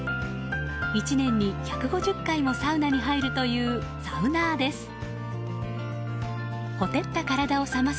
１年に１５０回もサウナに入るというサウナーです。